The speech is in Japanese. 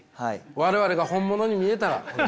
我々が本物に見えたら。